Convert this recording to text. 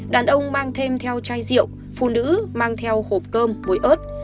đàn ông mang thêm theo chai rượu phụ nữ mang theo hộp cơm bụi ớt